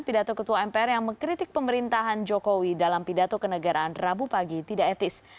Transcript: pidato ketua mpr yang mengkritik pemerintahan jokowi dalam pidato kenegaraan rabu pagi tidak etis